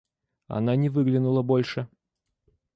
Она не выглянула больше.